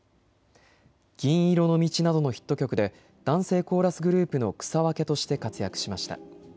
銀色の道などのヒット曲で男声コーラスグループの草分けとして活躍しました。